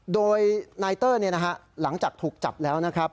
โดยนายเตอร์เนี่ยนะฮะหลังจากถูกจับแล้วนะครับ